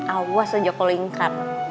awas aja kalau ingkar